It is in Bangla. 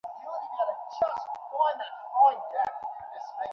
রেহান জলদি এখানে আসো!